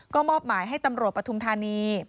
ก็มอบหมายให้ตำรวจปฐุมธานี